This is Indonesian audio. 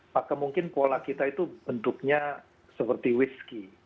maka mungkin pola kita itu bentuknya seperti wiski